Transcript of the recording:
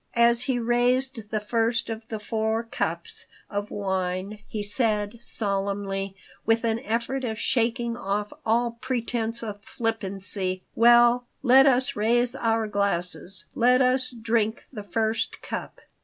As he raised the first of the Four Cups of wine he said, solemnly, with an effort of shaking off all pretense of flippancy: "Well, let us raise our glasses. Let us drink the First Cup."